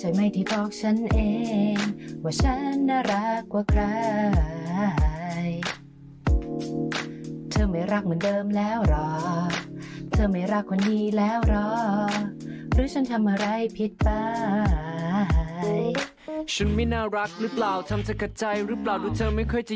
แล้วน้องกลับเขาจะจำเสียงของพี่จีได้รึเปล่าไปดูกันค่ะ